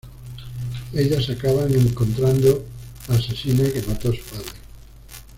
Ellas acaban encontrando la asesina que mató a su padre.